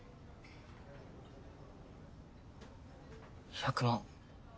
１００万。